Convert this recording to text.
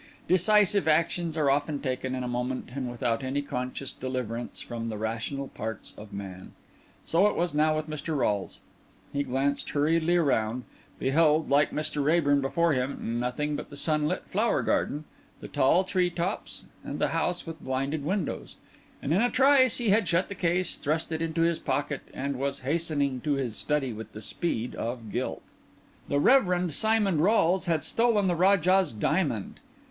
Decisive actions are often taken in a moment and without any conscious deliverance from the rational parts of man. So it was now with Mr. Rolles. He glanced hurriedly round; beheld, like Mr. Raeburn before him, nothing but the sunlit flower garden, the tall tree tops, and the house with blinded windows; and in a trice he had shut the case, thrust it into his pocket, and was hastening to his study with the speed of guilt. The Reverend Simon Rolles had stolen the Rajah's Diamond.